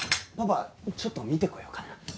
パパちょっと見てこようかな。